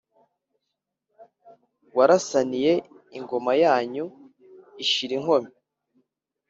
warasaniye ingoma yanyu ishira inkomyi,